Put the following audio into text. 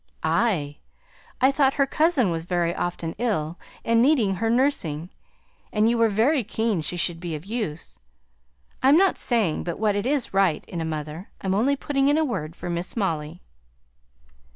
"Ay! I thought her cousin was very often ill, and needing her nursing, and you were very keen she should be of use. I'm not saying but what it's right in a mother; I'm only putting in a word for Miss Molly."